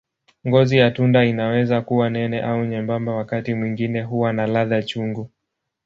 Ngozi ya tunda inaweza kuwa nene au nyembamba, wakati mwingine huwa na ladha chungu.